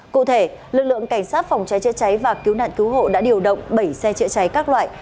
cụ thể lực lượng cảnh sát phòng cháy chữa cháy và cứu nạn cứu hộ đã điều động bảy xe chữa cháy các loại